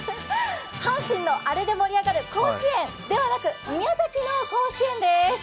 阪神のアレで盛り上がる甲子園ではなく、宮崎の甲子園でーす。